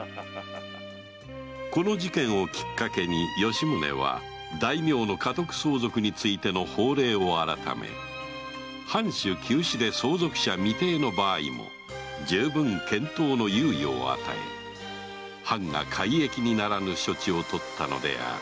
この事件をきっかけに吉宗は大名の家督相続についての法令を改め藩主急死で相続者未定の場合も充分検討の猶予を与え藩が改易にならぬ処置をとったのである